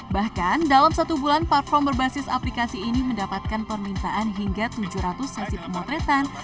bahkan dalam satu bulan platform berbasis aplikasi ini mendapatkan permintaan hingga tujuh ratus sesi pemotretan